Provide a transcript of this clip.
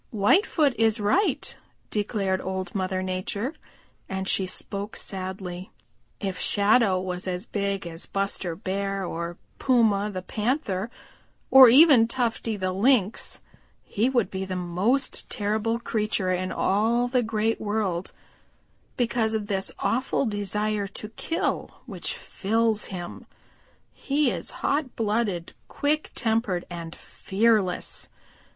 "Whitefoot is right," declared Old Mother Nature, and she spoke sadly. "If Shadow was as big as Buster Bear or Puma the Panther or even Tufty the Lynx, he would be the most terrible creature in all the Great World because of this awful desire to kill which fills him. He is hot blooded, quick tempered and fearless.